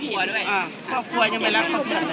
มีแต่โดนล้าลาน